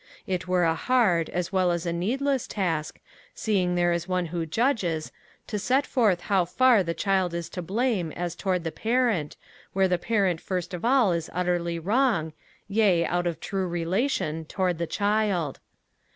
It were a hard, as well as a needless task, seeing there is One who judges, to set forth how far the child is to blame as toward the parent, where the parent first of all is utterly wrong, yea out of true relation, toward the child.